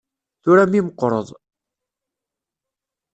Tura mi tmeqqreḍ.